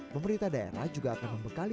pemerintah daerah juga akan membekali